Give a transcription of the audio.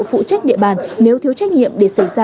phụ trách địa bàn nếu thiếu trách nhiệm để xảy ra